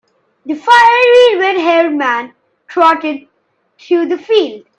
The fiery red-haired man trotted through the field.